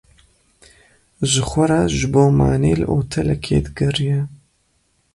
Ji xwe re ji bo manê li otelekê digeriya.